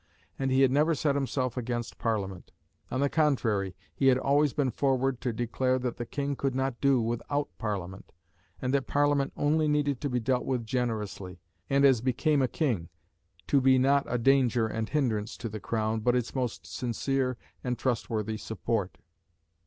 And he had never set himself against Parliament. On the contrary, he had always been forward to declare that the King could not do without Parliament, and that Parliament only needed to be dealt with generously, and as "became a King," to be not a danger and hindrance to the Crown but its most sincere and trustworthy support.